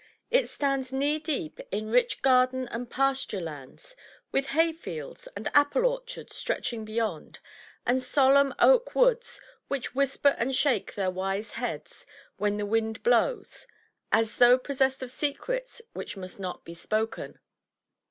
It stands knee deep in rich garden and pasture lands, with hay fields and apple orchards stretch ing beyond, and solemn oak woods which whisper and shake their wise heads when the wind blows, as though possessed of secrets which must not be spoken.